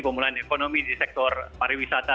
pemulihan ekonomi di sektor pariwisata